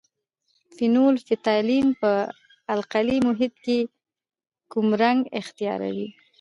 فینول فتالین په القلي محیط کې کوم رنګ اختیاروي؟